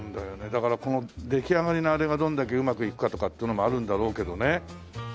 だからこの出来上がりのあれがどんだけうまくいくかとかっていうのもあるんだろうけどね。